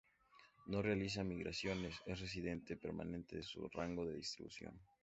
No realiza migraciones, es residente permanente de su rango de distribución.